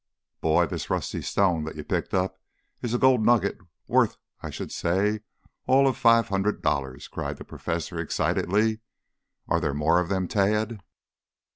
"Boy, this rusty stone that you picked up is a gold nugget, worth, I should say, all of five hundred dollars!" cried the Professor excitedly. "Are there more of them, Tad?"